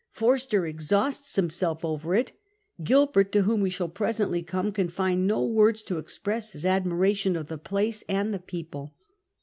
Forster exhausts himself over it. Gilbert, to whom wo shall presently come, can find no words to express his admiration of the place and the people.